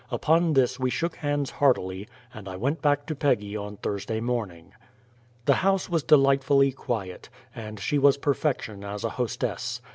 Upon this we shook hands heartily, and I went back to Peggy on Thursday morning. The house was delightfully quiet, and she was perfection as a hostess.